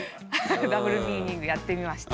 ダブルミーニングやってみました。